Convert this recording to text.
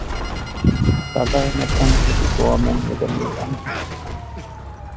ސަލާމަތަށް އެދި ގޮވަމުން އެދަނީ އަންހެނެއް